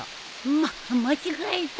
まっ間違えた！